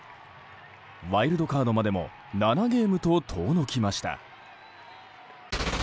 ワイルドカードまでも７ゲームと遠のきました。